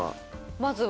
まずは。